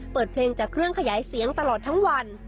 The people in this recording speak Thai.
เปิดเพลงจากเครื่องขยายเสียงตลอดทั้งวัน